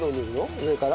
上から。